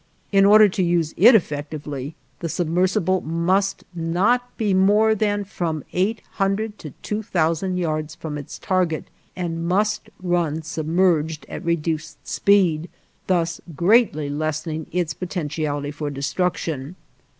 In order to use it effectively, the submersible must be not more than from eight hundred to two thousand yards from its target, and must run submerged at reduced speed, thus greatly lessening its potentiality for destruction.